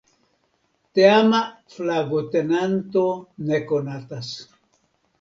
Teama flagotenanto ne konatas.